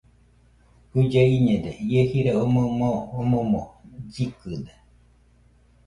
Guille iñede, ie jira omoɨ moo omoɨmo llɨkɨde